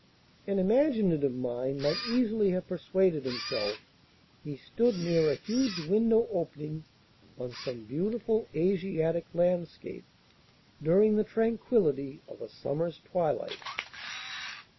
An imaginative mind might easily have persuaded himself he stood near a huge window opening on some beautiful Asiatic landscape during the tranquillity of a summer's twilight.